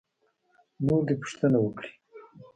نور دې پوښتنې وکړي.